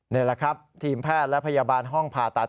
นี่แหละครับทีมแพทย์และพยาบาลห้องผ่าตัด